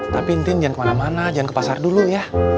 tapi intinya jangan kemana mana jangan ke pasar dulu ya